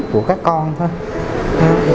của các con thôi